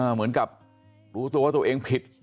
เหมือนกับรู้ตัวว่าตัวเองผิด